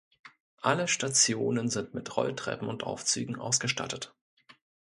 Alle Stationen sind mit Rolltreppen und Aufzügen ausgestattet.